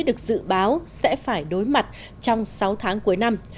được dự báo sẽ phải đối mặt trong sáu tháng cuối năm